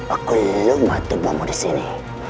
aku lemah tubuhmu disini